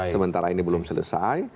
sementara ini belum selesai